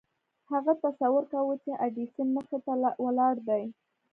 هغه تصور کاوه چې د ايډېسن مخې ته ولاړ دی.